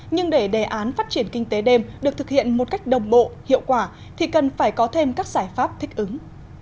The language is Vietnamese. nhưng để đề án phát triển kinh tế đêm được thực hiện một cách đồng bộ hiệu quả thì cần phải có thêm các giải pháp thích ứng